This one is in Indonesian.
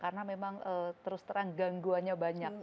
karena memang terus terang gangguannya banyak